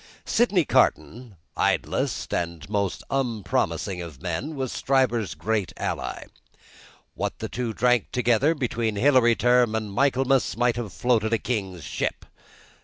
Sydney Carton, idlest and most unpromising of men, was Stryver's great ally. What the two drank together, between Hilary Term and Michaelmas, might have floated a king's ship.